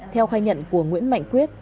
theo khai nhận của nguyễn mạnh quyết